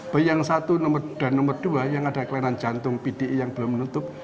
bayi yang satu dan nomor dua yang ada kelainan jantung pdi yang belum menutup